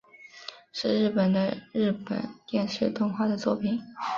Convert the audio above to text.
是日本的日本电视动画的作品。